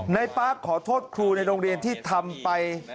ป๊าขอโทษครูในโรงเรียนที่ทำไป